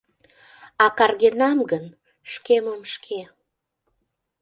А каргенам гын – шкемым шке: